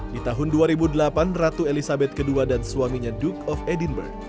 di tahun dua ribu delapan ratu elizabeth ii dan suaminya duke of edinburgh